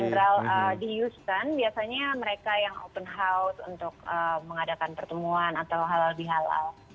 jenderal di houston biasanya mereka yang open house untuk mengadakan pertemuan atau halal bihalal